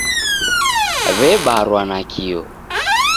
W'ebarwa nakio.